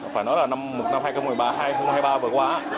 phải nói là năm hai nghìn một mươi ba hai nghìn hai mươi ba vừa qua